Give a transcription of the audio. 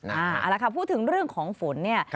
เอาละค่ะพูดถึงเรื่องของฝนเนี่ย